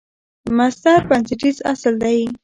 مصدر بنسټیز اصل دئ.